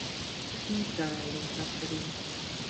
He died in custody.